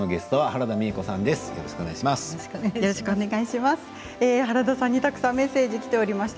原田さんにたくさんメッセージきております。